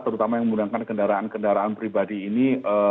terutama yang menggunakan kendaraan kendaraan pribadi ini